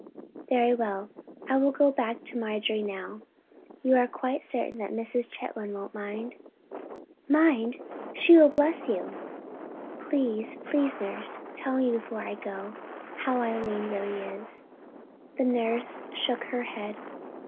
"Very well, I will go back to Marjorie now. You are quite certain that Mrs. Chetwynd won't mind?" "Mind! She will bless you." "Please, please, nurse, tell me before I go, how Eileen really is?" The nurse shook her head.